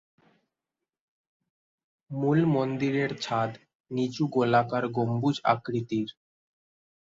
মূল মন্দিরের ছাদ নিচু গোলাকার গম্বুজ আকৃতির।